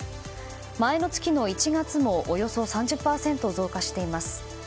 前の月の１月もおよそ３０％増加しています。